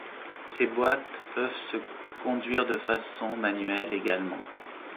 Ces boîtes peuvent se conduire de façon manuelle également.